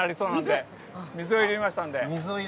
水を入れましたので。